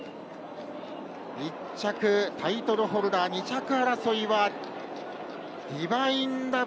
１着、タイトルホルダー２着争いはディヴァインラヴ。